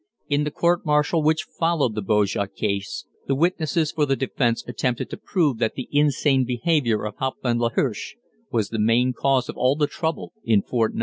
In the court martial which followed the Bojah case, the witnesses for the defense attempted to prove that the insane behavior of Hauptmann L'Hirsch was the main cause of all trouble in Fort 9.